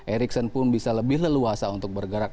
ericson pun bisa lebih leluasa untuk bergerak